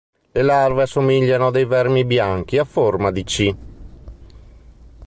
Le larve assomigliano a dei vermi bianchi a forma di "C".